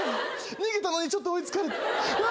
逃げたのにちょっと追い付かれてうわ！